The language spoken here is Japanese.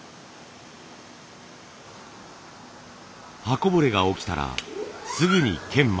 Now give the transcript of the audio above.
刃こぼれが起きたらすぐに研磨。